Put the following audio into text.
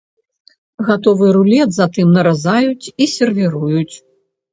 Гатовы рулет затым наразаюць і сервіруюць.